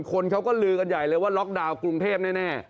คนเขาก็ลือกันใหญ่เลยว่าล็อกดาวน์กรุงเทพแน่